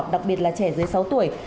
đặc biệt là trẻ dưới sáu tuổi